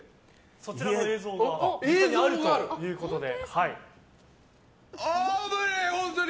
そちらの映像があるということで。